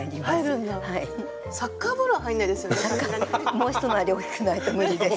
もう一回り大きくないと無理です。